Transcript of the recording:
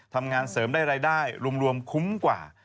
ทำงานเสริมได้รายได้รวมคุ้มกว่า